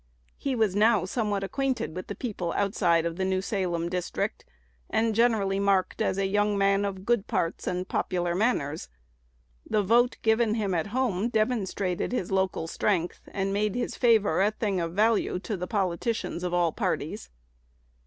He was now somewhat acquainted with the people outside of the New Salem district, and generally marked as a young man of good parts and popular manners. The vote given him at home demonstrated his local strength, and made his favor a thing of value to the politicians of all parties.